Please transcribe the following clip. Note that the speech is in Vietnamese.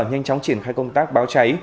nhanh chóng triển khai công tác báo cháy